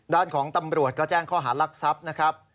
ด้านของตำรวจก็แจ้งข้อหารักทรัพย์นะครับ